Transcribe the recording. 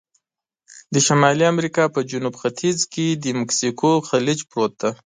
د شمالي امریکا په جنوب ختیځ کې د مکسیکو خلیج پروت دی.